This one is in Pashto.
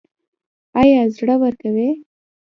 ایا زړه ورکوئ؟